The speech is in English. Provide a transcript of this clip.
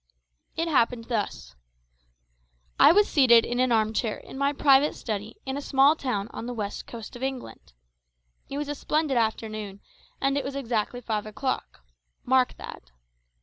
It happened thus: I was seated in an armchair in my private study in a small town on the west coast of England. It was a splendid afternoon, and it was exactly five o'clock. Mark that.